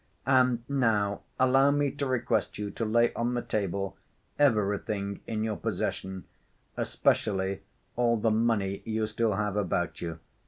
"And now allow me to request you to lay on the table everything in your possession, especially all the money you still have about you."